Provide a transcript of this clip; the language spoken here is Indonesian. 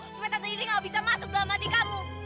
sumpah tante indri gak bisa masuk dalam hati kamu